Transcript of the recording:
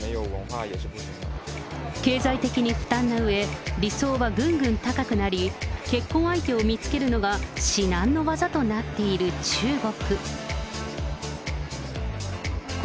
経済的に負担なうえ、理想はぐんぐん高くなり、結婚相手を見つけるのが至難の業となっている中国。